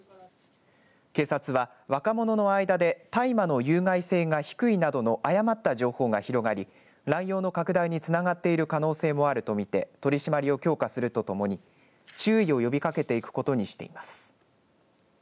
警察は若者の間で大麻の有害性が低いなどの誤った情報が広がり乱用の拡大につながっている可能性もあるとみて取り締まりを強化するとともに注意を呼びかけていくことにしています。